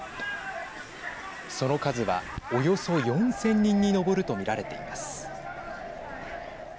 その数は、およそ４０００人に上ると見られています。